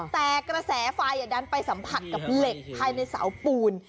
แต่กระแสไฟดันไปสัมผัสกับเหล็กภายในเสาปูน